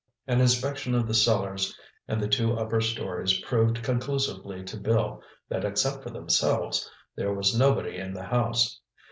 An inspection of the cellars and the two upper stories proved conclusively to Bill that except for themselves, there was nobody in the house.